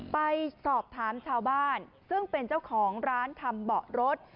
ไปสอบถามชาวบ้านซึ่งเป็นเจ้าของร้านทำเบาะรถ